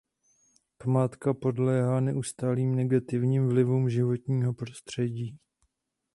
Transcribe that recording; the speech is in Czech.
Památka podléhá neustálým negativním vlivům životního prostředí.